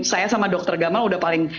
saya sama dokter gamal udah paling